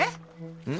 うん？